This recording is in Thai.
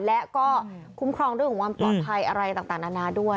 และก็คุ้มครองเรื่องของความปลอดภัยอะไรต่างนานาด้วย